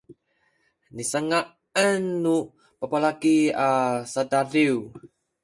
nisanga’an nu babalaki a sadadiw